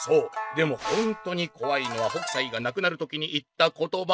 でもほんとにこわいのは北斎が亡くなる時に言った言葉！」。